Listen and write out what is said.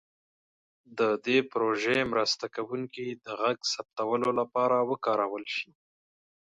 د دې پروژې مرسته کوونکي د غږ ثبتولو لپاره وکارول شي.